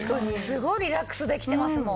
すごいリラックスできてますもん。